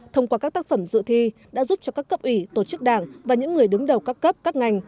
thông qua các tác phẩm dự thi đã giúp cho các cấp ủy tổ chức đảng và những người đứng đầu các cấp các ngành